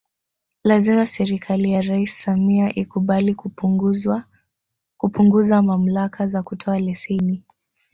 Lazima serikali ya Rais Samia ikubali kupunguza mamlaka za kutoa leseni